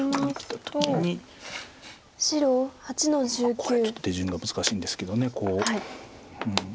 これちょっと手順が難しいんですけどこう。